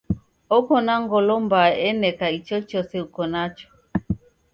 Oko na ngolo mbaa eneka ichochose uko nacho.